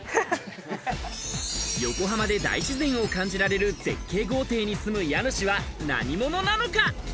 横浜で大自然を感じられる絶景豪邸に住む家主は何者なのか？